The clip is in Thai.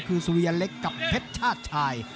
คือสุริยเล็กกับเพชรชาติชาย